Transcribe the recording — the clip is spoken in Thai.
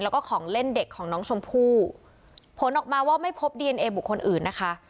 แล้วก็ของเล่นเด็กของน้องชมพู่ผลออกมาว่าไม่พบดีเอนเอบุคคลอื่นนะคะ